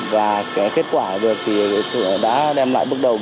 và kết quả được thì đã đem lại bước đồng